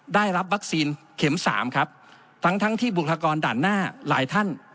ได้รับวัคซีนเข็มสามครับทั้งทั้งที่บุคลากรด่านหน้าหลายท่าน